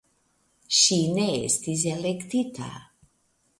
Ŝi ne estis elektita.